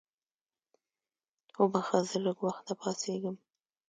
وبخښه زه لږ وخته پاڅېږم.